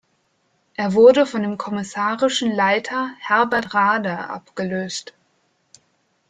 Er wurde von dem kommissarischen Leiter Herbert Rader abgelöst.